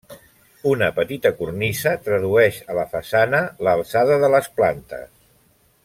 Una petita cornisa tradueix a la façana l'alçada de les plantes.